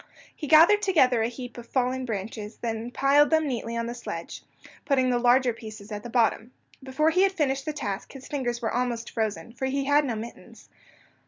He gathered together a heap of fallen branches, and then piled them neatly on the sledge, putting the larger pieces at the bottom. Before he had finished the task his fingers were almost frozen, for he had no mittens.